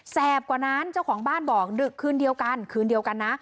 แปบกว่านั้นเจ้าของบ้านบอกดึกคืนเดียวกันคืนเดียวกันนะ